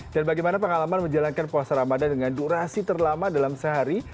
dan bagaimana pengalaman menjalankan puasa ramadan dengan durasi terlama dalam sehari